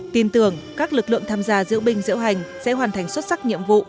tin tưởng các lực lượng tham gia diễu binh diễu hành sẽ hoàn thành xuất sắc nhiệm vụ